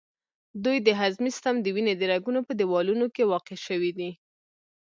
دوی د هضمي سیستم، د وینې د رګونو په دیوالونو کې واقع شوي دي.